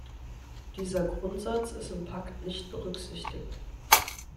Dieser Grundsatz ist im Pakt nicht berücksichtigt.